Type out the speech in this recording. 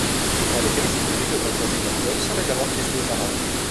En effet, les écuries devront choisir leurs gommes sans les avoir testées auparavant.